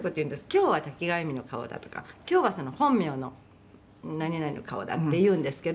「“今日は多岐川裕美の顔だ”とか“今日は本名の何々の顔だ”って言うんですけど」